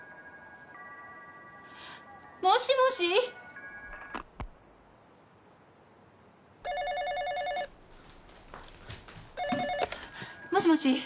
もしもし？もしもし？